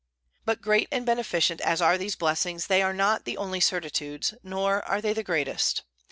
But great and beneficent as are these blessings, they are not the only certitudes, nor are they the greatest.